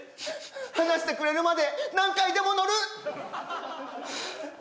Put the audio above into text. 話してくれるまで何回でも乗る！